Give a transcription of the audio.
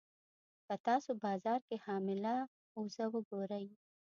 که تاسو بازار کې حامله اوزه وګورئ.